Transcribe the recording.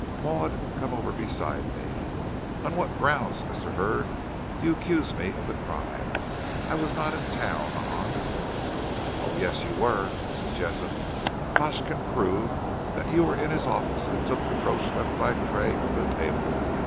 "Maud, come over beside me. On what grounds, Mr. Hurd, do you accuse me of the crime? I was not in town on " "Oh, yes, you were, Mrs. Jessop. Pash can prove that you were in his office and took the brooch left by Tray from the table.